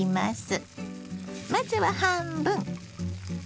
まずは半分。